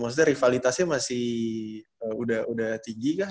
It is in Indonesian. maksudnya rivalitasnya masih udah tinggi kah